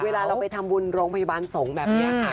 เวลาเราไปทำบุญโรงพยาบาลสงฆ์แบบนี้ค่ะ